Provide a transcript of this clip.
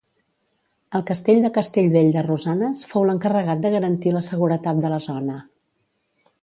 El castell de Castellvell de Rosanes fou l’encarregat de garantir la seguretat de la zona.